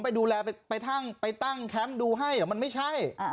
ไปดูแลไปตั้งแคมป์ดูให้เหรอมันไม่ใช่